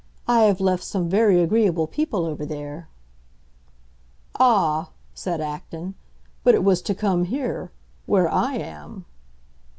I have left some very agreeable people over there." "Ah," said Acton, "but it was to come here, where I am!"